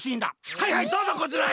はいはいどうぞこちらへ！